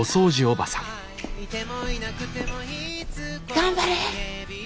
頑張れ！